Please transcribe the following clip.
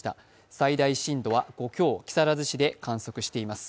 最大震度は５強、木更津市で観測しています。